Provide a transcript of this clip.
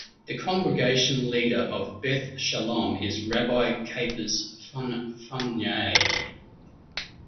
The congregation leader of Beth Shalom is Rabbi Capers Funnye.